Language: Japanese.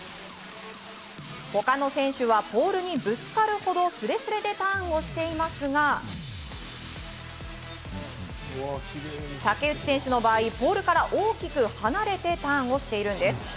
他の選手はポールにぶつかるほど、すれすれでターンしていますが、竹内選手の場合、ポールから大きく離れてターンをしているんです。